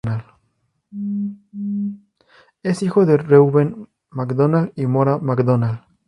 Es hijo de Reuben McDonald y Mora McDonald.